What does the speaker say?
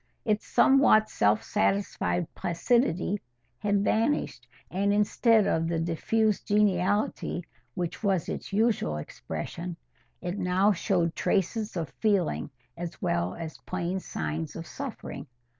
Its somewhat self satisfied placidity had vanished, and instead of the diffused geniality which was its usual expression, it now showed traces of feeling as well as plain signs of suffering.